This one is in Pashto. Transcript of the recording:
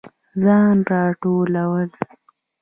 ځان راټولول